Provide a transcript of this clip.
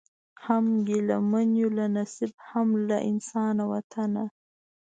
هم ګیله من یو له نصیب هم له انسان وطنه